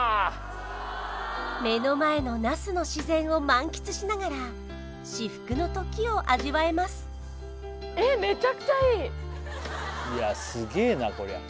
目の前の那須の自然を満喫しながら至福の時を味わえますあるんだよねさあ